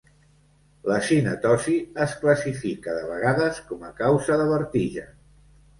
La cinetosi es classifica de vegades com a causa de vertigen.